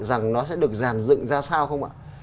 rằng nó sẽ được giàn dựng ra sao không ạ